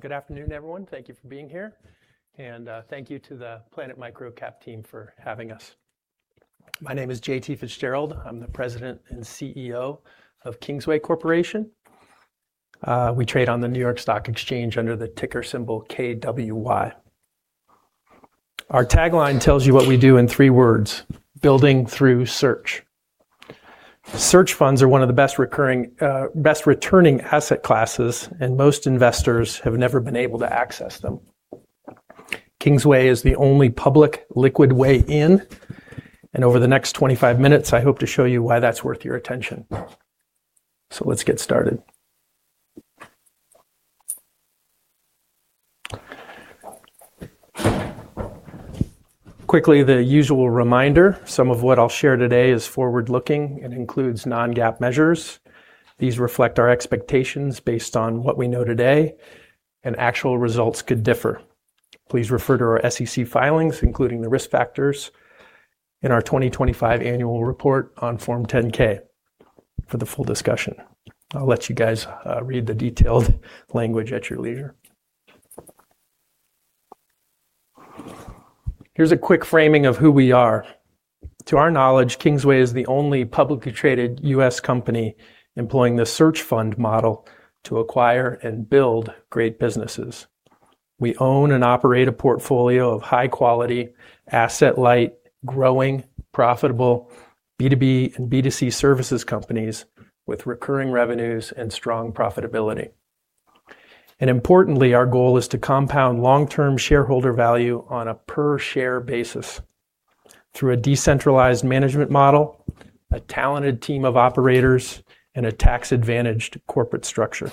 Good afternoon, everyone. Thank you for being here, and thank you to the Planet MicroCap team for having us. My name is J.T. Fitzgerald. I'm the President and CEO of Kingsway Corporation. We trade on the New York Stock Exchange under the ticker symbol KWY. Our tagline tells you what we do in three words, building through search. Search funds are one of the best returning asset classes. Most investors have never been able to access them. Kingsway is the only public liquid way in. Over the next 25 minutes, I hope to show you why that's worth your attention. Let's get started. Quickly, the usual reminder, some of what I'll share today is forward-looking and includes non-GAAP measures. These reflect our expectations based on what we know today. Actual results could differ. Please refer to our SEC filings, including the risk factors in our 2025 annual report on Form 10-K for the full discussion. I'll let you guys read the detailed language at your leisure. Here's a quick framing of who we are. To our knowledge, Kingsway is the only publicly traded U.S. company employing the search fund model to acquire and build great businesses. We own and operate a portfolio of high-quality, asset-light, growing, profitable B2B and B2C services companies with recurring revenues and strong profitability. Importantly, our goal is to compound long-term shareholder value on a per-share basis through a decentralized management model, a talented team of operators, and a tax-advantaged corporate structure.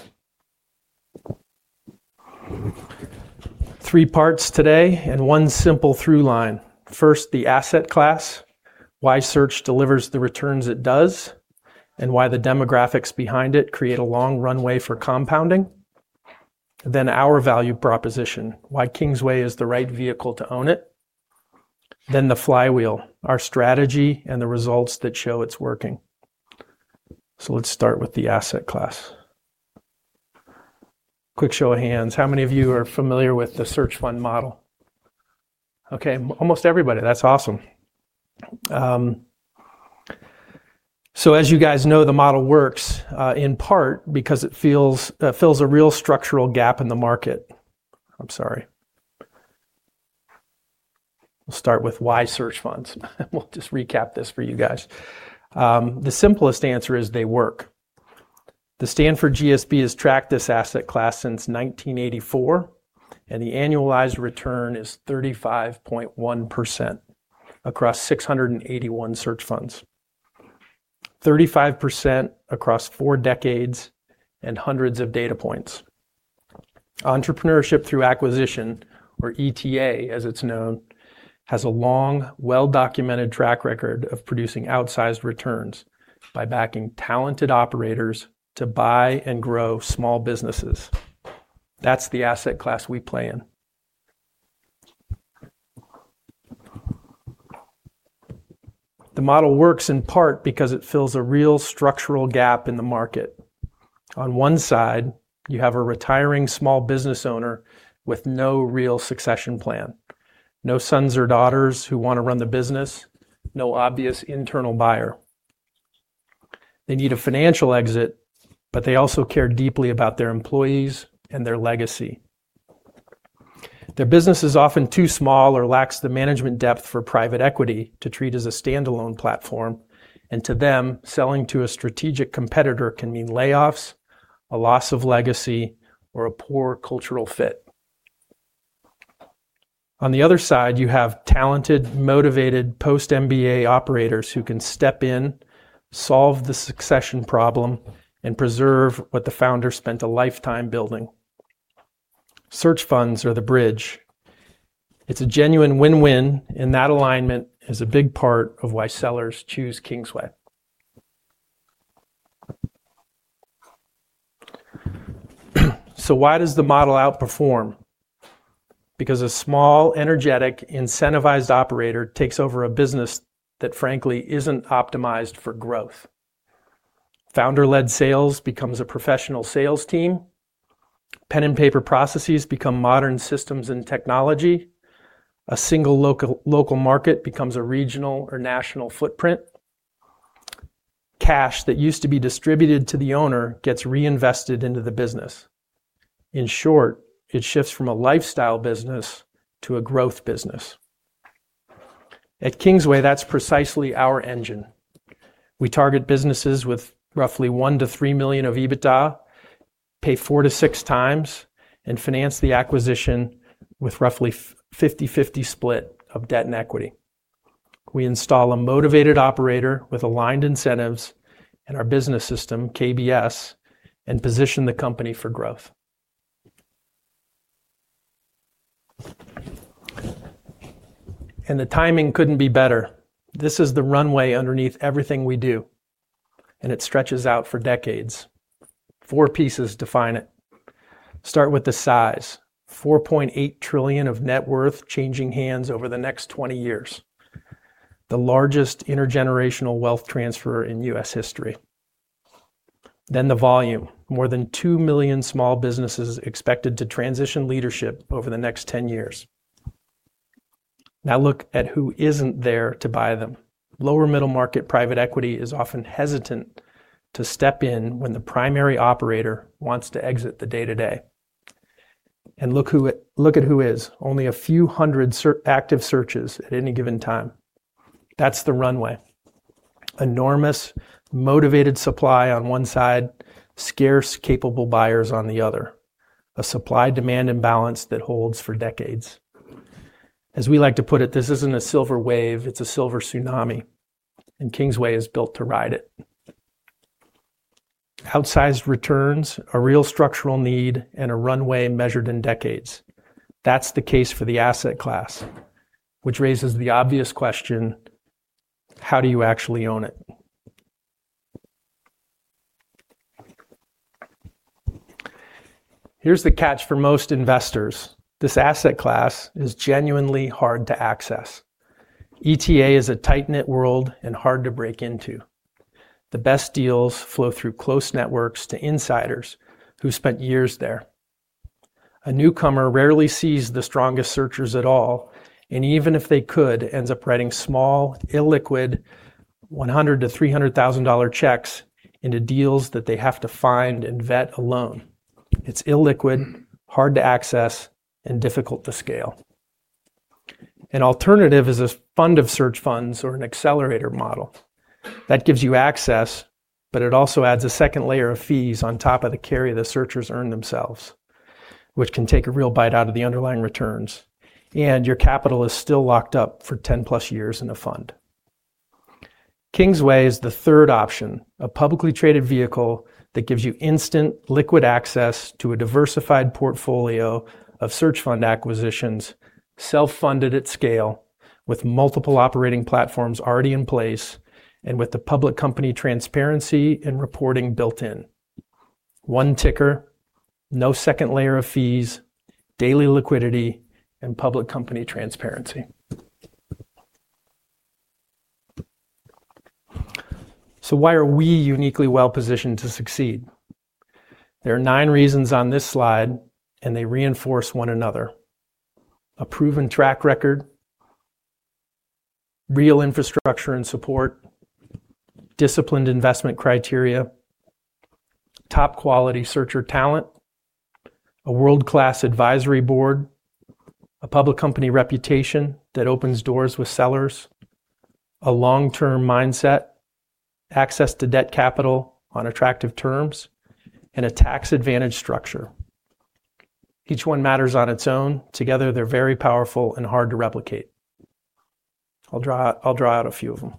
Three parts today and one simple through line. First, the asset class, why search delivers the returns it does. Why the demographics behind it create a long runway for compounding. Our value proposition, why Kingsway is the right vehicle to own it. The flywheel, our strategy and the results that show it's working. Let's start with the asset class. Quick show of hands, how many of you are familiar with the search fund model? Okay, almost everybody. That's awesome. As you guys know, the model works in part because it fills a real structural gap in the market. I'm sorry. We'll start with why search funds. We'll just recap this for you guys. The simplest answer is they work. The Stanford GSB has tracked this asset class since 1984. The annualized return is 35.1% across 681 search funds, 35% across four decades and hundreds of data points. Entrepreneurship through acquisition, or ETA, as it's known, has a long, well-documented track record of producing outsized returns by backing talented operators to buy and grow small businesses. That's the asset class we play in. The model works in part because it fills a real structural gap in the market. On one side, you have a retiring small business owner with no real succession plan, no sons or daughters who want to run the business, no obvious internal buyer. They need a financial exit. They also care deeply about their employees and their legacy. Their business is often too small or lacks the management depth for private equity to treat as a standalone platform. To them, selling to a strategic competitor can mean layoffs, a loss of legacy, or a poor cultural fit. On the other side, you have talented, motivated post-MBA operators who can step in, solve the succession problem, and preserve what the founder spent a lifetime building. Search funds are the bridge. It's a genuine win-win, and that alignment is a big part of why sellers choose Kingsway. Why does the model outperform? Because a small, energetic, incentivized operator takes over a business that frankly isn't optimized for growth. Founder-led sales becomes a professional sales team. Pen and paper processes become modern systems and technology. A single local market becomes a regional or national footprint. Cash that used to be distributed to the owner gets reinvested into the business. In short, it shifts from a lifestyle business to a growth business. At Kingsway, that's precisely our engine. We target businesses with roughly $1 million-$3 million of EBITDA, pay 4x-6x, and finance the acquisition with roughly 50/50 split of debt and equity. We install a motivated operator with aligned incentives in our business system, KBS, and position the company for growth. The timing couldn't be better. This is the runway underneath everything we do, and it stretches out for decades. Four pieces define it. Start with the size, $4.8 trillion of net worth changing hands over the next 20 years. The largest intergenerational wealth transfer in U.S. history. The volume, more than 2 million small businesses expected to transition leadership over the next 10 years. Now look at who isn't there to buy them. Lower middle market private equity is often hesitant to step in when the primary operator wants to exit the day-to-day. Look at who is. Only a few hundred active searches at any given time. That's the runway. Enormous, motivated supply on one side, scarce capable buyers on the other. A supply-demand imbalance that holds for decades. As we like to put it, this isn't a silver wave, it's a silver tsunami, and Kingsway is built to ride it. Outsized returns, a real structural need, and a runway measured in decades. That's the case for the asset class, which raises the obvious question: how do you actually own it? Here's the catch for most investors. This asset class is genuinely hard to access. M&A is a tight-knit world and hard to break into. The best deals flow through close networks to insiders who spent years there. A newcomer rarely sees the strongest searchers at all, and even if they could, ends up writing small, illiquid $100,000-$300,000 checks into deals that they have to find and vet alone. It's illiquid, hard to access, and difficult to scale. An alternative is a fund of search funds or an accelerator model. That gives you access, but it also adds a second layer of fees on top of the carry the searchers earn themselves, which can take a real bite out of the underlying returns, and your capital is still locked up for 10 years+ in a fund. Kingsway is the third option, a publicly traded vehicle that gives you instant liquid access to a diversified portfolio of search fund acquisitions, self-funded at scale, with multiple operating platforms already in place, and with the public company transparency and reporting built in. One ticker, no second layer of fees, daily liquidity, and public company transparency. Why are we uniquely well positioned to succeed? There are nine reasons on this slide, and they reinforce one another. A proven track record, real infrastructure and support, disciplined investment criteria, top quality searcher talent, a world-class advisory board, a public company reputation that opens doors with sellers, a long-term mindset, access to debt capital on attractive terms, and a tax-advantaged structure. Each one matters on its own. Together, they're very powerful and hard to replicate. I'll draw out a few of them.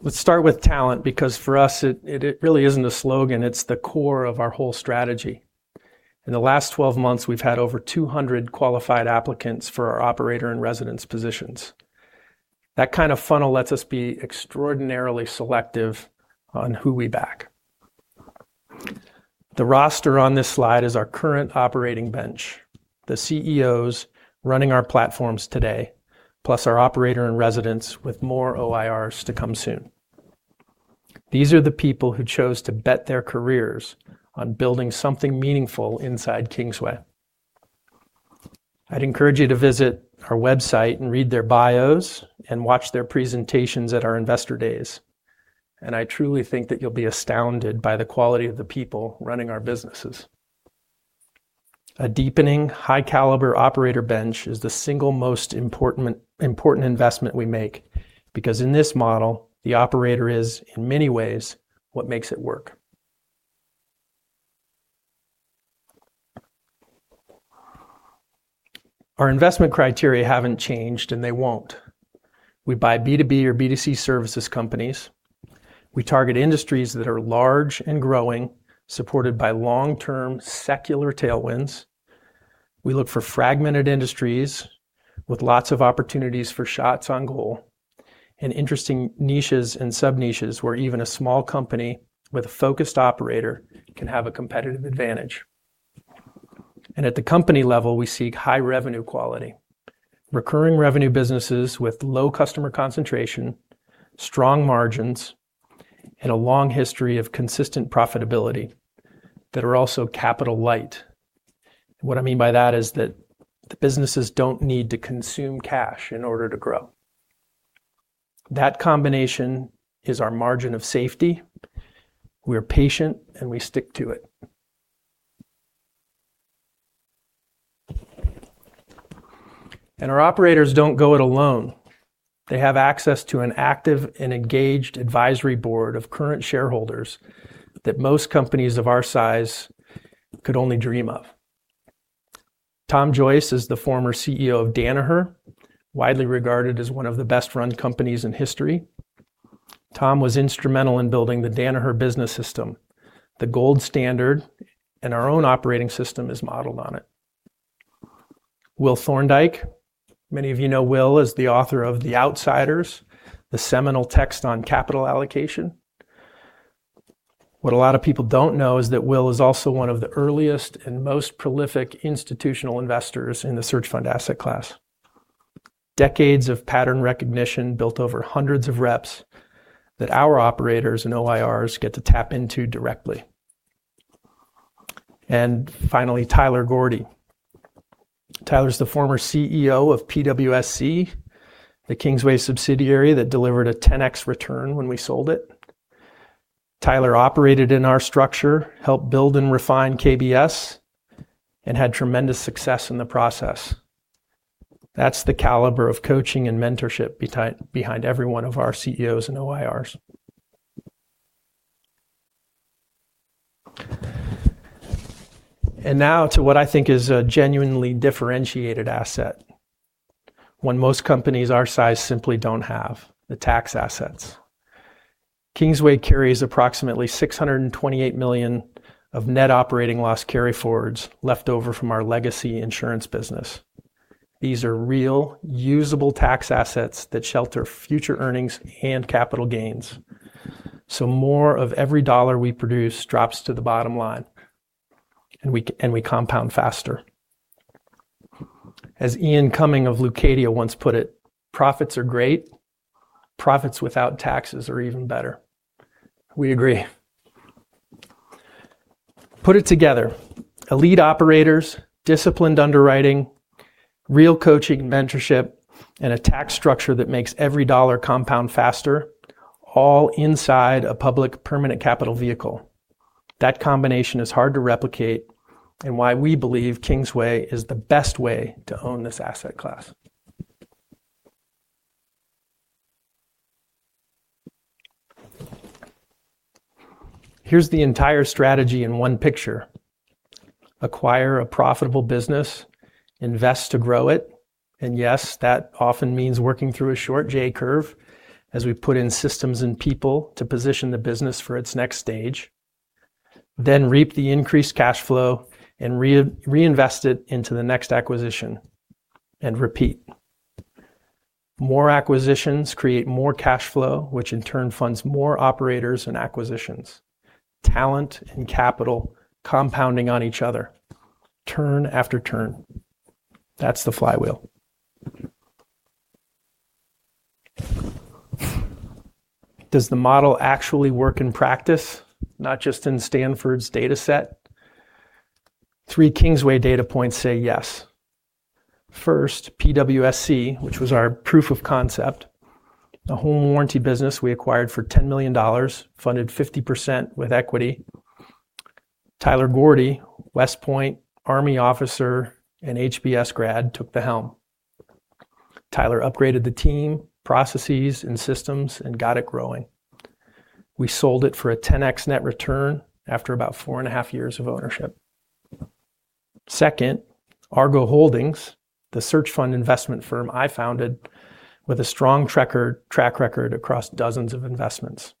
Let's start with talent, because for us, it really isn't a slogan. It's the core of our whole strategy. In the last 12 months, we've had over 200 qualified applicants for our operator in residence positions. That kind of funnel lets us be extraordinarily selective on who we back. The roster on this slide is our current operating bench, the CEOs running our platforms today, plus our operator in residence with more OIRs to come soon. These are the people who chose to bet their careers on building something meaningful inside Kingsway. I'd encourage you to visit our website and read their bios and watch their presentations at our investor days. I truly think that you'll be astounded by the quality of the people running our businesses. A deepening high caliber operator bench is the single most important investment we make because in this model, the operator is, in many ways, what makes it work. Our investment criteria haven't changed, and they won't. We buy B2B or B2C services companies. We target industries that are large and growing, supported by long-term, secular tailwinds. We look for fragmented industries with lots of opportunities for shots on goal and interesting niches and sub-niches where even a small company with a focused operator can have a competitive advantage. At the company level, we seek high revenue quality, recurring revenue businesses with low customer concentration, strong margins, and a long history of consistent profitability that are also capital light. What I mean by that is that the businesses don't need to consume cash in order to grow. That combination is our margin of safety. We are patient, and we stick to it. Our operators don't go it alone. They have access to an active and engaged advisory board of current shareholders that most companies of our size could only dream of. Tom Joyce is the former CEO of Danaher, widely regarded as one of the best run companies in history. Tom was instrumental in building the Danaher Business System, the gold standard. Our own operating system is modeled on it. Will Thorndike. Many of you know Will as the author of The Outsiders, the seminal text on capital allocation. What a lot of people don't know is that Will is also one of the earliest and most prolific institutional investors in the search fund asset class. Decades of pattern recognition built over hundreds of reps that our operators and OIRs get to tap into directly. Finally, Tyler Gordy. Tyler's the former CEO of PWSC, the Kingsway subsidiary that delivered a 10x return when we sold it. Tyler operated in our structure, helped build and refine KBS, and had tremendous success in the process. That's the caliber of coaching and mentorship behind every one of our CEOs and OIRs. Now to what I think is a genuinely differentiated asset when most companies our size simply don't have, the tax assets. Kingsway carries approximately $628 million of net operating loss carryforwards left over from our legacy insurance business. These are real, usable tax assets that shelter future earnings and capital gains. More of every dollar we produce drops to the bottom line, and we compound faster. As Ian Cumming of Leucadia once put it, profits are great. Profits without taxes are even better. We agree. Put it together. Elite operators, disciplined underwriting, real coaching mentorship, and a tax structure that makes every dollar compound faster, all inside a public permanent capital vehicle. That combination is hard to replicate and why we believe Kingsway is the best way to own this asset class. Here's the entire strategy in one picture. Acquire a profitable business, invest to grow it, yes, that often means working through a short J-curve as we put in systems and people to position the business for its next stage. Reap the increased cash flow and reinvest it into the next acquisition, repeat. More acquisitions create more cash flow, which in turn funds more operators and acquisitions. Talent and capital compounding on each other turn after turn. That's the flywheel. Does the model actually work in practice, not just in Stanford's dataset? Three Kingsway data points say yes. First, PWSC, which was our proof of concept, a home warranty business we acquired for $10 million, funded 50% with equity. Tyler Gordy, West Point Army officer and HBS grad, took the helm. Tyler upgraded the team, processes, and systems and got it growing. We sold it for a 10x net return after about four and a half years of ownership. Second, Argo Holdings, the search fund investment firm I founded with a strong track record across dozens of investments.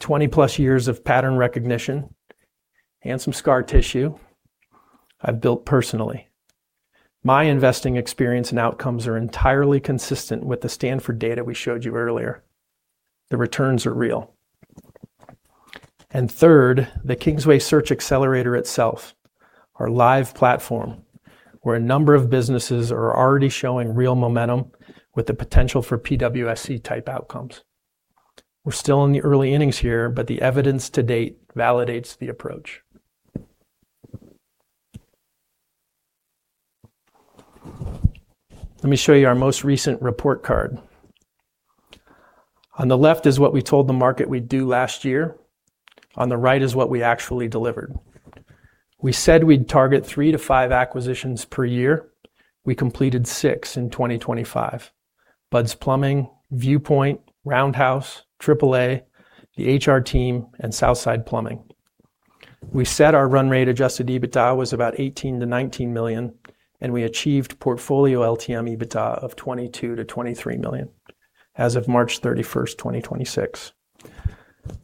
Twenty-plus years of pattern recognition and some scar tissue I've built personally. My investing experience and outcomes are entirely consistent with the Stanford data we showed you earlier. The returns are real. Third, the Kingsway Search Xcelerator itself, our live platform, where a number of businesses are already showing real momentum with the potential for PWSC-type outcomes. We're still in the early innings here, but the evidence to date validates the approach. Let me show you our most recent report card. On the left is what we told the market we'd do last year. On the right is what we actually delivered. We said we'd target three to five acquisitions per year. We completed six in 2025. Bud's Plumbing, Viewpoint, Roundhouse, AAA, The HR Team, and Southside Plumbing. We said our run rate adjusted EBITDA was about $18 million-$19 million, we achieved portfolio LTM EBITDA of $22 million-$23 million as of March 31st, 2026.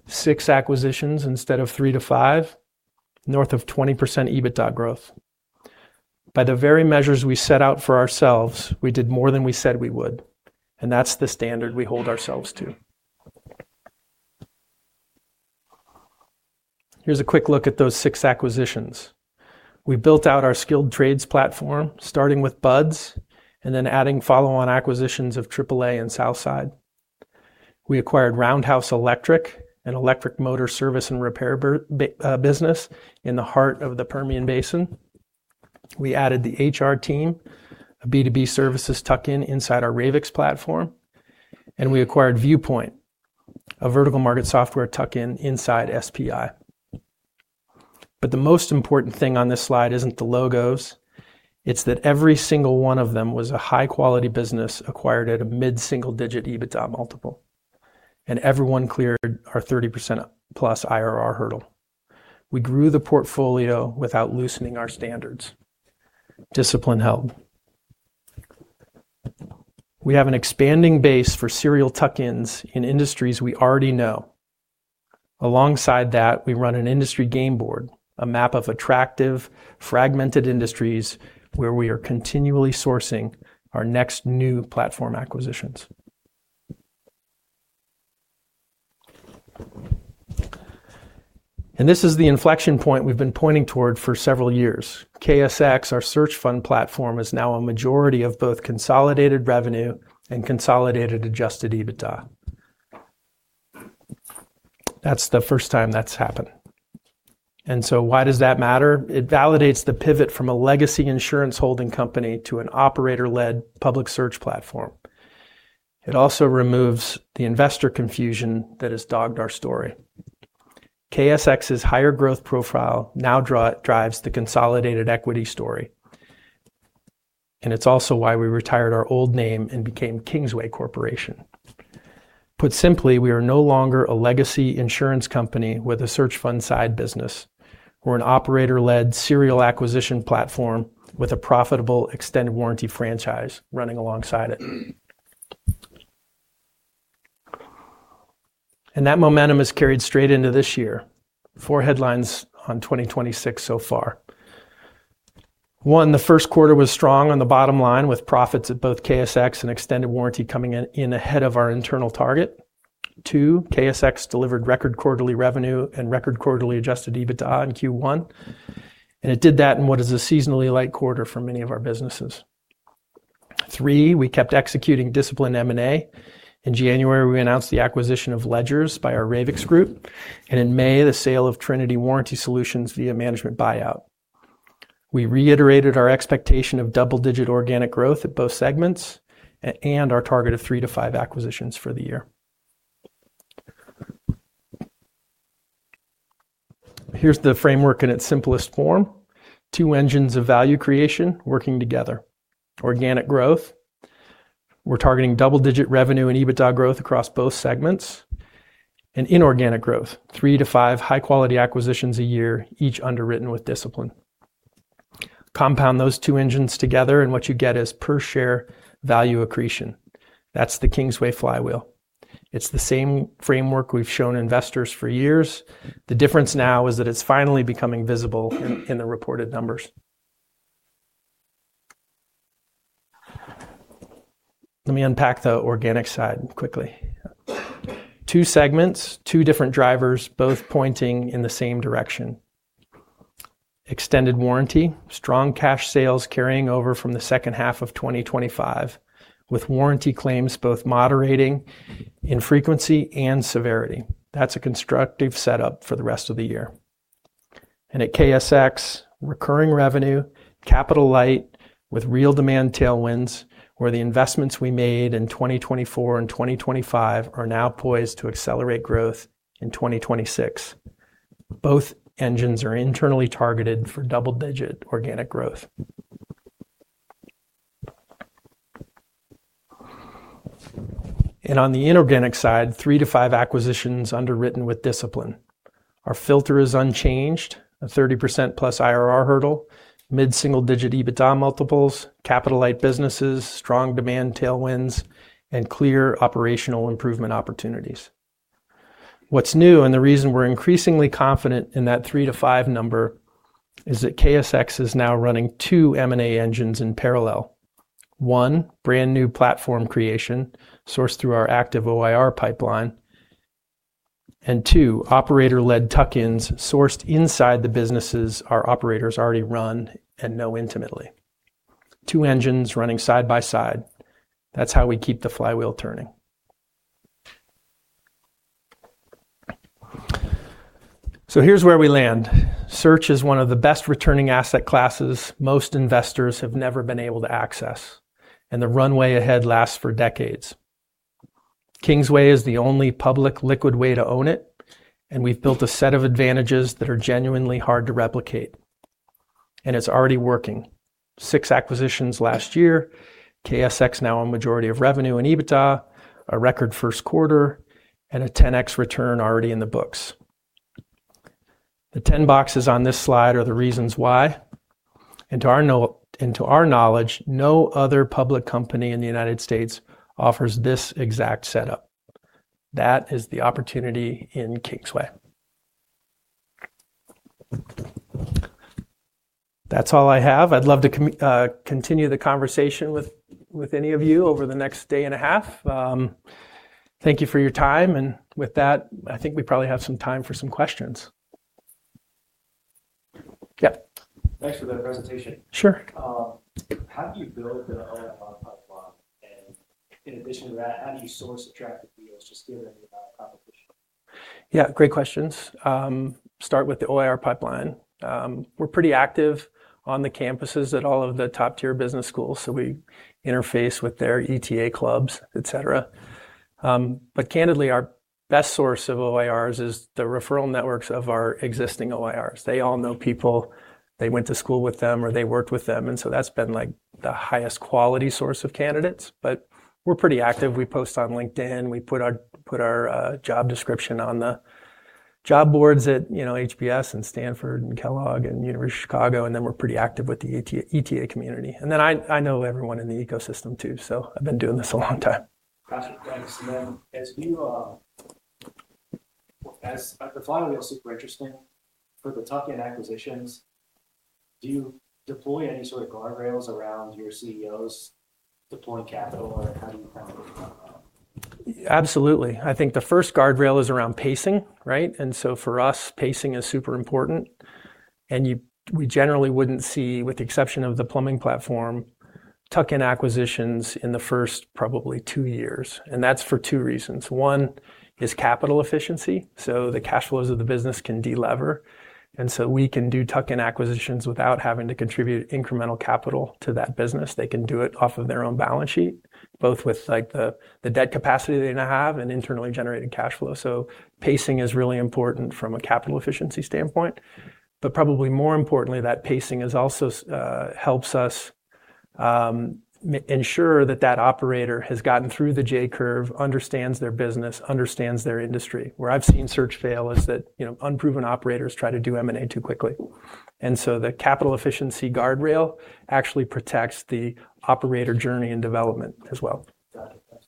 Six acquisitions instead of three to five, north of 20% EBITDA growth. By the very measures we set out for ourselves, we did more than we said we would, that's the standard we hold ourselves to. Here's a quick look at those six acquisitions. We built out our skilled trades platform, starting with Bud's, and then adding follow-on acquisitions of AAA and Southside. We acquired Roundhouse Electric, an electric motor service and repair business in the heart of the Permian Basin. We added The HR Team, a B2B services tuck-in inside our Ravix platform, and we acquired Viewpoint, a vertical market software tuck-in inside SPI. The most important thing on this slide isn't the logos, it's that every single one of them was a high-quality business acquired at a mid-single digit EBITDA multiple. Everyone cleared our 30%+ IRR hurdle. We grew the portfolio without loosening our standards. Discipline held. We have an expanding base for serial tuck-ins in industries we already know. Alongside that, we run an industry game board, a map of attractive, fragmented industries where we are continually sourcing our next new platform acquisitions. This is the inflection point we've been pointing toward for several years. KSX, our search fund platform, is now a majority of both consolidated revenue and consolidated adjusted EBITDA. That's the first time that's happened. Why does that matter? It validates the pivot from a legacy insurance holding company to an operator-led public search platform. It also removes the investor confusion that has dogged our story. KSX's higher growth profile now drives the consolidated equity story. It's also why we retired our old name and became Kingsway Corporation. Put simply, we are no longer a legacy insurance company with a search fund side business. We're an operator-led serial acquisition platform with a profitable extended warranty franchise running alongside it. That momentum is carried straight into this year. Four headlines on 2026 so far. One, the first quarter was strong on the bottom line, with profits at both KSX and extended warranty coming in ahead of our internal target. Two, KSX delivered record quarterly revenue and record quarterly adjusted EBITDA in Q1, and it did that in what is a seasonally light quarter for many of our businesses. Three, we kept executing disciplined M&A. In January, we announced the acquisition of Ledgers by our Ravix Group. In May, the sale of Trinity Warranty Solutions via management buyout. We reiterated our expectation of double-digit organic growth at both segments and our target of three to five acquisitions for the year. Here's the framework in its simplest form. Two engines of value creation working together. Organic growth. We're targeting double-digit revenue and EBITDA growth across both segments. Inorganic growth, three to five high-quality acquisitions a year, each underwritten with discipline. Compound those two engines together, and what you get is per share value accretion. That's the Kingsway flywheel. It's the same framework we've shown investors for years. The difference now is that it's finally becoming visible in the reported numbers. Let me unpack the organic side quickly. Two segments, two different drivers, both pointing in the same direction. Extended warranty, strong cash sales carrying over from the second half of 2025, with warranty claims both moderating in frequency and severity. That's a constructive setup for the rest of the year. At KSX, recurring revenue, capital light with real demand tailwinds, where the investments we made in 2024 and 2025 are now poised to accelerate growth in 2026. Both engines are internally targeted for double-digit organic growth. On the inorganic side, three to five acquisitions underwritten with discipline. Our filter is unchanged. A 30%+ IRR hurdle, mid-single digit EBITDA multiples, capital light businesses, strong demand tailwinds, and clear operational improvement opportunities. What's new, and the reason we're increasingly confident in that three to five number, is that KSX is now running two M&A engines in parallel. One, brand new platform creation sourced through our active OIR pipeline. Two, operator-led tuck-ins sourced inside the businesses our operators already run and know intimately. Two engines running side by side. That's how we keep the flywheel turning. Here's where we land. Search is one of the best returning asset classes most investors have never been able to access, and the runway ahead lasts for decades. Kingsway is the only public liquid way to own it, and we've built a set of advantages that are genuinely hard to replicate. It's already working. Six acquisitions last year. KSX now a majority of revenue and EBITDA, a record first quarter, and a 10x return already in the books. The 10 boxes on this slide are the reasons why. To our knowledge, no other public company in the United States offers this exact setup. That is the opportunity in Kingsway. That's all I have. I'd love to continue the conversation with any of you over the next day and a half. Thank you for your time. With that, I think we probably have some time for some questions. Yep. Thanks for the presentation. Sure. How do you build an OIR pipeline? In addition to that, how do you source attractive deals just given the competition? Great questions. Start with the OIR pipeline. We are pretty active on the campuses at all of the top-tier business schools. I interface with their ETA clubs, etc. Candidly, our best source of OIRs is the referral networks of our existing OIRs. They all know people. They went to school with them, or they worked with them. That has been the highest quality source of candidates. We are pretty active. We post on LinkedIn. We put our job description on the job boards at HBS and Stanford and Kellogg and University of Chicago. We are pretty active with the ETA community. I know everyone in the ecosystem too. I have been doing this a long time. Got you. Thanks. I find it all super interesting. For the tuck-in acquisitions, do you deploy any sort of guardrails around your CEOs deploying capital, or how do you handle that? Absolutely. I think the first guardrail is around pacing. For us, pacing is super important. We generally would not see, with the exception of the plumbing platform, tuck-in acquisitions in the first probably two years. That is for two reasons. One is capital efficiency. The cash flows of the business can de-lever. We can do tuck-in acquisitions without having to contribute incremental capital to that business. They can do it off of their own balance sheet, both with the debt capacity they now have and internally generating cash flow. Pacing is really important from a capital efficiency standpoint. Probably more importantly, that pacing also helps us ensure that that operator has gotten through the J-curve, understands their business, understands their industry. Where I have seen search fail is that unproven operators try to do M&A too quickly. The capital efficiency guardrail actually protects the operator journey and development as well. Got it. Thanks.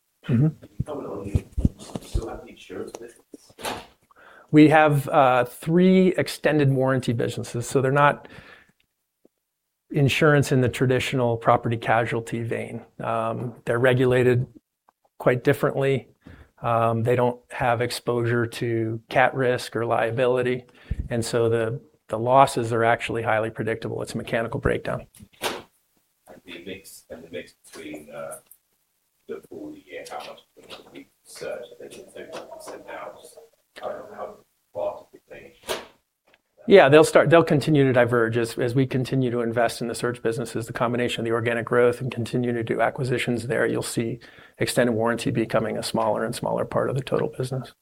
How well do you still have the insurance business? We have three extended warranty businesses, they're not insurance in the traditional property casualty vein. They're regulated quite differently. They don't have exposure to cat risk or liability, the losses are actually highly predictable. It's a mechanical breakdown. The mix between the four year, how much of it will be search? I think you said now it's kind of how fast you think. They'll continue to diverge as we continue to invest in the search businesses, the combination of the organic growth and continue to do acquisitions there, you'll see extended warranty becoming a smaller and smaller part of the total business.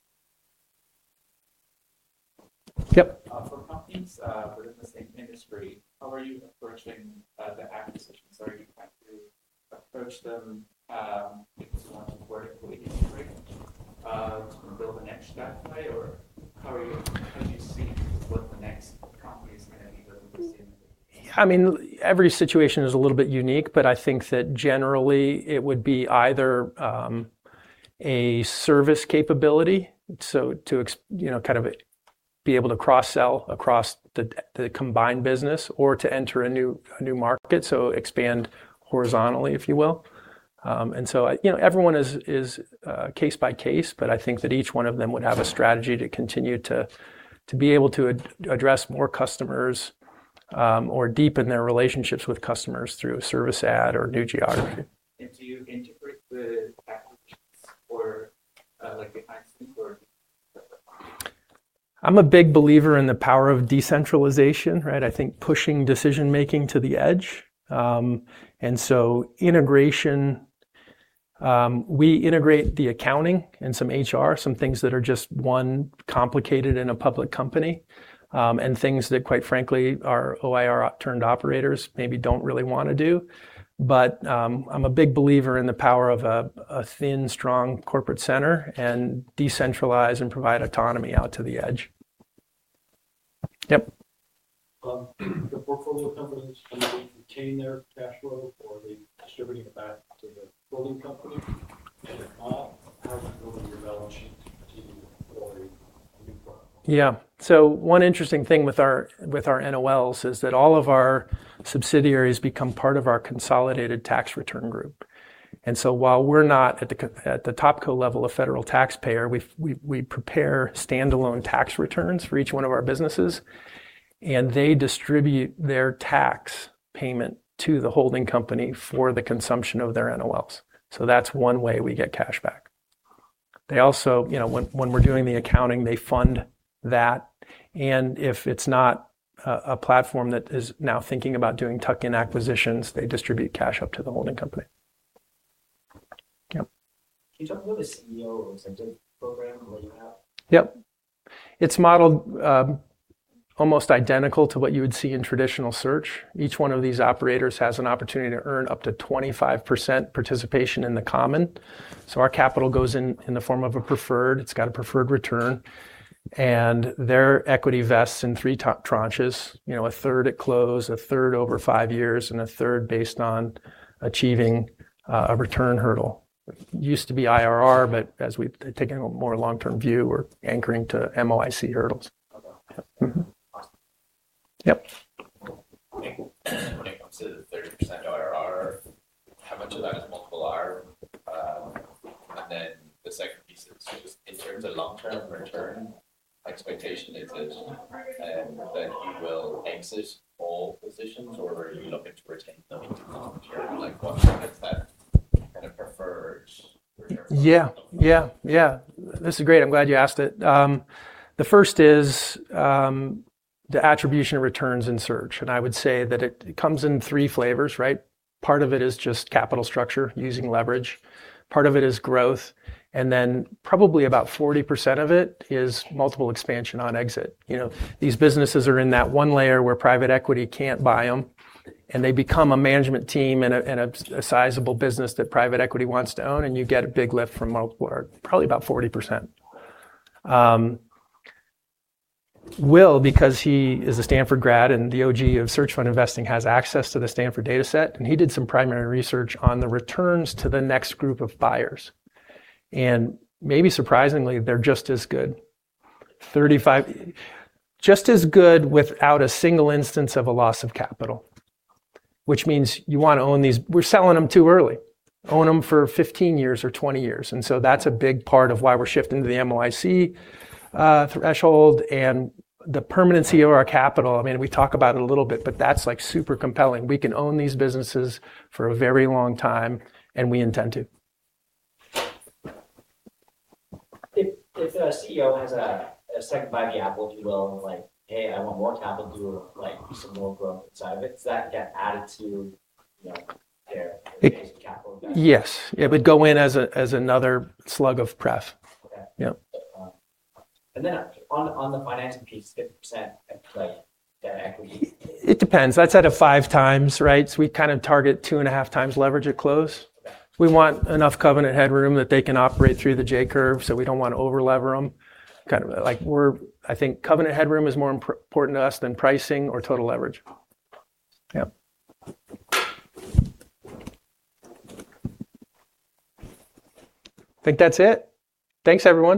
Yep. For companies within the same industry, how are you approaching the acquisitions? Are you trying to approach them, if you want to work within range, to build the next that way? How are you seeing what the next company is going to be within the same industry? Every situation is a little bit unique, but I think that generally it would be either a service capability, so to be able to cross-sell across the combined business or to enter a new market, so expand horizontally, if you will. Everyone is case by case, but I think that each one of them would have a strategy to continue to be able to address more customers or deepen their relationships with customers through a service add or new geography. Do you integrate the acquisitions or like the financing? I'm a big believer in the power of decentralization, right? I think pushing decision making to the edge. Integration, we integrate the accounting and some HR, some things that are just, one, complicated in a public company, and things that quite frankly our OIR turned operators maybe don't really want to do. I'm a big believer in the power of a thin, strong corporate center and decentralize and provide autonomy out to the edge. Yep. The portfolio companies, do they retain their cash flow, or are they distributing it back to the holding company? How does it go to your balance sheet to deploy a new portfolio? Yeah. One interesting thing with our NOLs is that all of our subsidiaries become part of our consolidated tax return group. While we're not at the top co-level of federal taxpayer, we prepare standalone tax returns for each one of our businesses, and they distribute their tax payment to the holding company for the consumption of their NOLs. That's one way we get cash back. Also, when we're doing the accounting, they fund that, and if it's not a platform that is now thinking about doing tuck-in acquisitions, they distribute cash up to the holding company. Yep. Can you talk about the CEO incentive program or what you have? Yep. It's modeled almost identical to what you would see in traditional search. Each one of these operators has an opportunity to earn up to 25% participation in the common. Our capital goes in in the form of a preferred, it's got a preferred return, and their equity vests in three tranches. A third at close, a third over five years, and a third based on achieving a return hurdle. Used to be IRR, but as we've taken a more long-term view, we're anchoring to MOIC hurdles. Okay. Yep. When it comes to the 30% IRR, how much of that is multiple R? The second piece is just in terms of long-term return expectation, is it that you will exit all positions or are you looking to retain them long-term? What's that kind of preferred return? Yeah. This is great. I'm glad you asked it. The first is the attribution returns in search. I would say that it comes in three flavors. Part of it is just capital structure using leverage. Part of it is growth, probably about 40% of it is multiple expansion on exit. These businesses are in that one layer where private equity can't buy them, and they become a management team and a sizable business that private equity wants to own, and you get a big lift from multiple, or probably about 40%. Will, because he is a Stanford grad and the OG of search fund investing, has access to the Stanford dataset. He did some primary research on the returns to the next group of buyers. Maybe surprisingly, they're just as good. Just as good without a single instance of a loss of capital, which means you want to own these. We're selling them too early. Own them for 15 years or 20 years, that's a big part of why we're shifting to the MOIC threshold and the permanency of our capital. We talk about it a little bit, that's super compelling. We can own these businesses for a very long time, we intend to. Yep. If a CEO has a second bite of the apple, if you will, like, hey, I want more capital to do a piece of more growth inside of it, does that get added to their basic capital? Yes. It would go in as another slug of pref. Okay. Yep. On the financing piece, the percentage equity. It depends. That's out of five times, right? We kind of target 2.5x leverage at close. Okay. We want enough covenant headroom that they can operate through the J-curve, so we don't want to over-lever them. I think covenant headroom is more important to us than pricing or total leverage. Yep. I think that's it. Thanks, everyone.